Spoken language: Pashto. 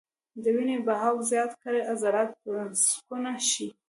د وينې بهاو زيات کړي عضلات پرسکونه شي -